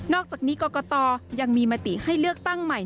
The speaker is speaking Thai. อกจากนี้กรกตยังมีมติให้เลือกตั้งใหม่